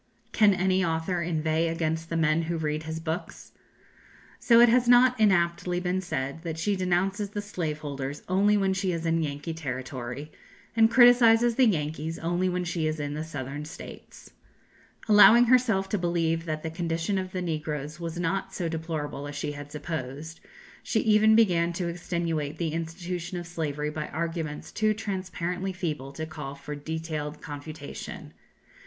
Can any author inveigh against the men who read his books? So it has not inaptly been said that she denounces the slave holders only when she is in Yankee territory, and criticises the Yankees only when she is in the Southern States. Allowing herself to believe that the condition of the negroes was not so deplorable as she had supposed, she even began to extenuate the institution of slavery by arguments too transparently feeble to call for detailed confutation.